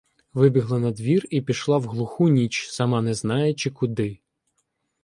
Вибігла надвір і пішла в глуху ніч, сама не знаючи куди.